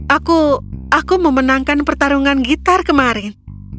aku aku memenangkan pertarungan gitar kemarin